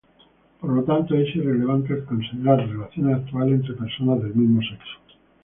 Por lo tanto, es irrelevante al considerar relaciones actuales entre personas del mismo sexo.